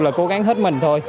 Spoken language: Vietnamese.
là cố gắng hết mình thôi